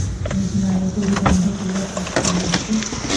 আমি কি মায়ের বলি বন্ধ করিয়া পাপ করিয়াছি?